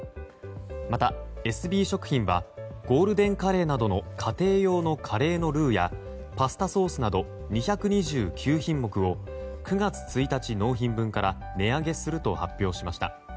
また、エスビー食品はゴールデンカレーなどの家庭用のカレーのルーやパスタソースなど２２９品目を９月１日納品分から値上げすると発表しました。